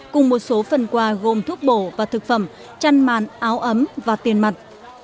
cùng một số phần quà gồm thuốc bổ và thực phẩm chăn màn áo ấm và tiền mặt